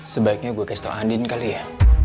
sebaiknya gue kasih tau andin kali ya